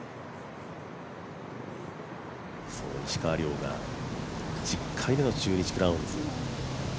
その石川遼が１０回目の中日クラウンズ。